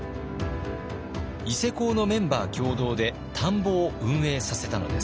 伊勢講のメンバー共同で田んぼを運営させたのです。